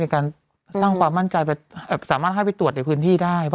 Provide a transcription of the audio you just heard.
การสร้างความมั่นใจไปสามารถให้ไปตรวจในพื้นที่ได้ป่